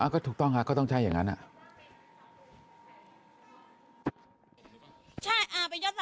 ก็ถูกต้องก็ต้องใช่อย่างนั้น